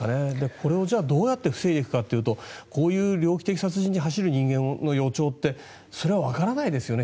これをどうやって防いでいくかというとこういう猟奇的殺人に走る人間の予兆ってそれはわからないですよね。